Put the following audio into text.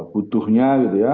butuhnya gitu ya